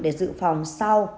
để dự phòng sau